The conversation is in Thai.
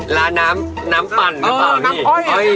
ลาน้ำน้ำปั่นหรือเปล่าพี่